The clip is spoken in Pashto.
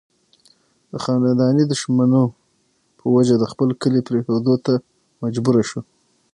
د خانداني دشمنو پۀ وجه د خپل کلي پريښودو ته مجبوره شو